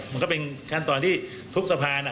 มันก็เป็นการตอนที่ทุกสะพานน่ะ